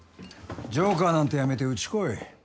ジョーカーなんて辞めてうち来い。